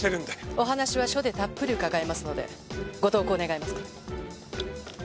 お話は署でたっぷり伺いますのでご同行願えますか。